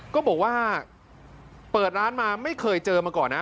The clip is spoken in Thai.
ก็บอกว่าเปิดร้านมาไม่เคยเจอมาก่อนนะ